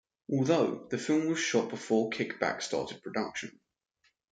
Although, the film was shot before Kick Back started production.